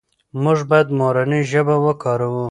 موږ باید مورنۍ ژبه وکاروو.